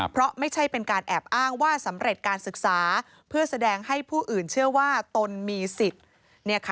เพราะไม่ใช่เป็นการแอบอ้างว่าสำเร็จการศึกษาเพื่อแสดงให้ผู้อื่นเชื่อว่าตนมีสิทธิ์